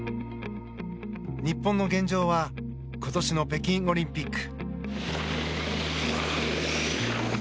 日本の現状は今年の北京オリンピック。